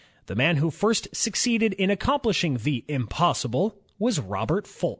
The man who first succeeded in accomplishing the "impossible" was Robert Fulton.